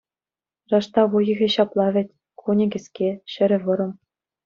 Раштав уйӑхӗ ҫапла вӗт: кунӗ кӗске, ҫӗрӗ вӑрӑм.